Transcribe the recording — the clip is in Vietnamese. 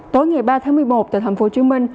tối ngày ba tháng một mươi một tại thành phố hồ chí minh